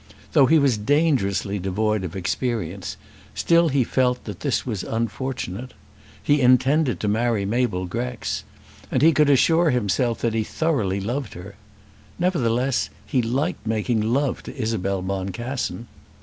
Though he was dangerously devoid of experience, still he felt that this was unfortunate. He intended to marry Mabel Grex. And he could assure himself that he thoroughly loved her. Nevertheless he liked making love to Isabel Boncassen.